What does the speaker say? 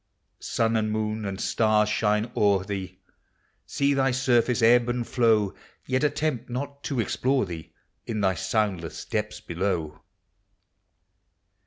Sun and moon and stars shine o'er thee See thy surface ebb and flow, Yet attempt not t<> explore thee In thy soundless depths belon